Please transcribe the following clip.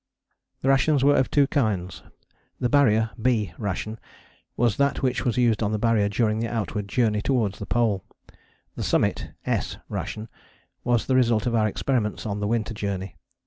The rations were of two kinds. The Barrier (B) ration was that which was used on the Barrier during the outward journey towards the Pole. The Summit (S) ration was the result of our experiments on the Winter Journey.